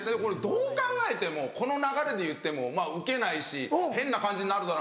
どう考えてもこの流れで言ってもウケないし変な感じになるかな